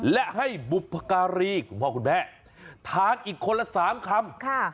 และให้บุพการีคุณพ่อคุณแม่ทานอีกคนละ๓คำ